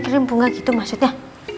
kirim bunga gitu maksudnya